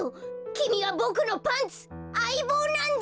きみはボクのパンツあいぼうなんだ！